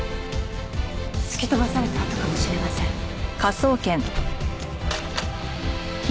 突き飛ばされた痕かもしれません。